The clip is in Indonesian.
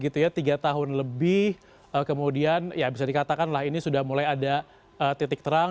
tiga tahun lebih kemudian ya bisa dikatakan lah ini sudah mulai ada titik terang